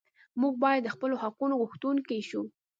موږ باید د خپلو حقونو غوښتونکي شو.